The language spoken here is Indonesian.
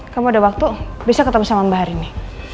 kamu ada waktu bisa ketemu sama mbak hari ini